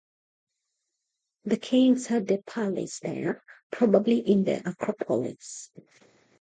The kings had their palace there, probably in the acropolis.